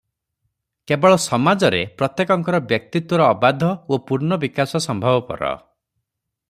କେବଳ ସମାଜରେ ପ୍ରତ୍ୟେକଙ୍କର ବ୍ୟକ୍ତିତ୍ୱର ଅବାଧ ଓ ପୂର୍ଣ୍ଣ ବିକାଶ ସମ୍ଭବପର ।